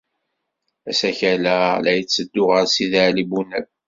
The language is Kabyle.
Asakal-a la yetteddu ɣer Sidi Ɛli Bunab?